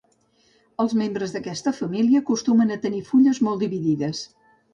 Els membres d'aquesta família acostumen a tenir fulles molt dividides.